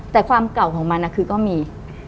แต่ความเก่าของมันคือก็มี